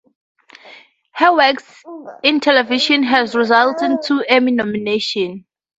Her work in television has resulted in two Emmy nominations.